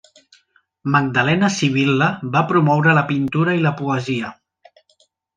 Magdalena Sibil·la va promoure la pintura i la poesia.